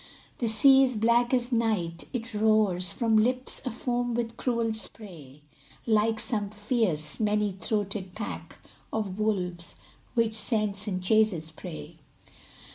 The sea is black as night; it roars From lips afoam with cruel spray, Like some fierce, many throated pack Of wolves, which scents and chases prey.